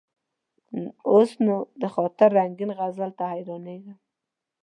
اوس نو: د خاطر رنګین غزل ته حیرانېږم.